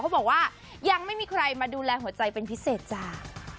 บอกว่ายังไม่มีใครมาดูแลหัวใจเป็นพิเศษจ้า